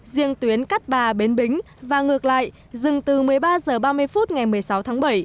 riêng tuyến cát bà bến bính và ngược lại dừng từ một mươi ba h ba mươi phút ngày một mươi sáu tháng bảy